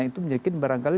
itu mungkin barangkali